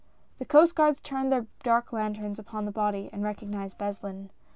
The Coast Guards turned their dark lanterns upon the body and recognized Beslin.